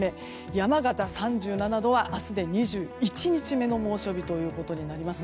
山形の３７度は明日で２１日目の猛暑日となります。